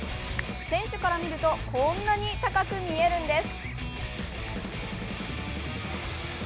選手から見るとこんなに高く見えるんです。